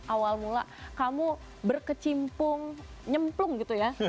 awal mula kamu berkecimpung nyemplung gitu ya